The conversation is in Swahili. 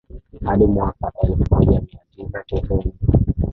hadi mwaka elfu moja mia tisa tisini